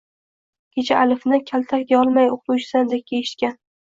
Kecha alifni kaltak deyolmay o’qituvchisidan dakki eshitgan